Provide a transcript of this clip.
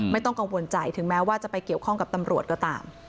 ไม่ต้องกังวลใจถึงแม้ว่าจะไปเกี่ยวข้องกับตำรวจก็ตาม